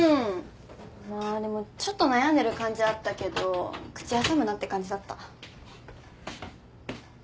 まあでもちょっと悩んでる感じあったけど口挟むなって感じだった。